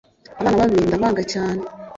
Abana babi ndabanga cyane